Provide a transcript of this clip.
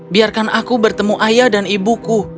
biarkan aku bertemu ayah dan ibuku